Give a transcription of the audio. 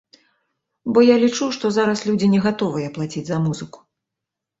Бо я лічу, што зараз людзі не гатовыя плаціць за музыку.